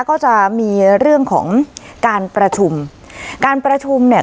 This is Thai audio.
ก็จะมีเรื่องของการประชุมการประชุมเนี่ย